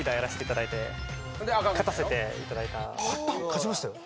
勝ちましたよ